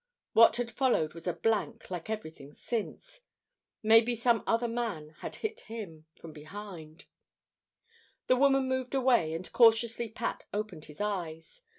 What had followed was a blank, like everything since. Maybe some other man had hit him from behind. The woman moved away, and cautiously Pat opened his eyes.